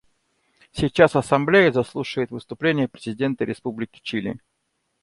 Сейчас Ассамблея заслушает выступление президента Республики Чили.